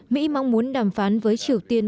mỹ mong muốn đàm phán với triều tiên